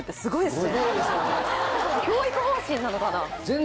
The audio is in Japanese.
教育方針なのかな？